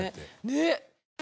ねっ。